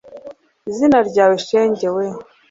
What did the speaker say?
izina ryawe shenge we